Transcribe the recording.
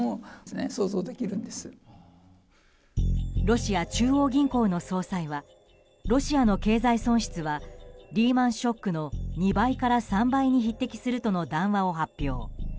ロシア中央銀行の総裁はロシアの経済損失はリーマンショックの２倍から３倍に匹敵するとの談話を発表。